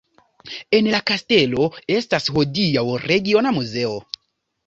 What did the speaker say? En la kastelo estas hodiaŭ regiona muzeo.